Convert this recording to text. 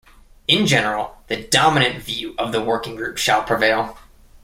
In general, the dominant view of the working group shall prevail.